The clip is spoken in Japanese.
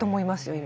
今。